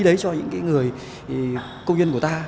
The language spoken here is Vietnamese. đấy cho những cái người công nhân của ta